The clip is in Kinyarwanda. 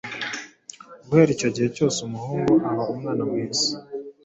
Guhera icyo gihe cyose umuhungu aba umwana mwiza